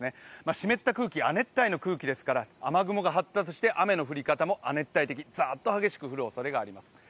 湿った空気、亜熱帯の空気ですから雨雲が発達して雨の降り方も亜熱帯的、ザーッと激しく降るおそれがあります。